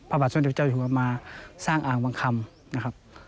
บาทสมเด็จเจ้าอยู่หัวมาสร้างอ่างบางคำนะครับ